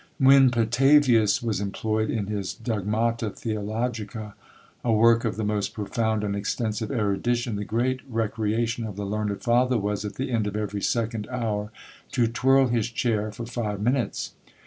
When Petavius was employed in his Dogmata Theologica, a work of the most profound and extensive erudition, the great recreation of the learned father was, at the end of every second hour, to twirl his chair for five minutes.